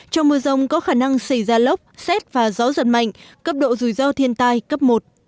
trong mưa rông có khả năng xảy ra lốc xét và gió giật mạnh cấp độ rủi ro thiên tai cấp một